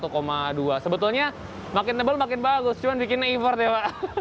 sebetulnya makin tebal makin bagus cuma bikinnya effort ya pak